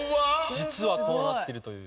実はこうなってるという。